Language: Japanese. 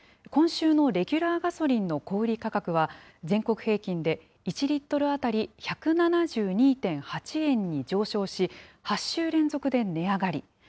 今週のレギュラーガソリンの小売り価格は、全国平均で１リットル当たり１７２．８円に上昇し、８週連続で値上がり。